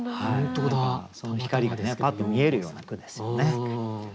その光がパッと見えるような句ですよね。